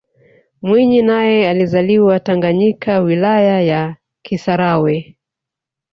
mwinyi naye alizaliwa tanganyika wilaya ya kisarawe